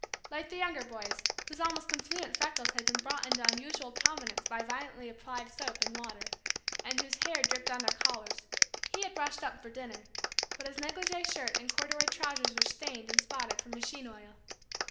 Like the younger boys, whose almost confluent freckles had been brought into unusual prominence by violently applied soap and water, and whose hair dripped on their collars, he had brushed up for dinner, but his negligee shirt and corduroy trousers were stained and spotted from machine oil.